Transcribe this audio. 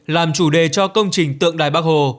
làm chủ đề cho công trình tượng đài bắc hồ